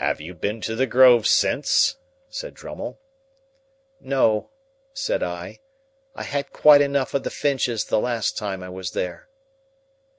"Have you been to the Grove since?" said Drummle. "No," said I, "I had quite enough of the Finches the last time I was there."